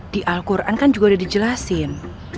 di al quran kan juga udah dijelasin